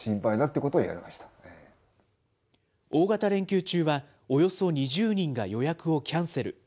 大型連休中は、およそ２０人が予約をキャンセル。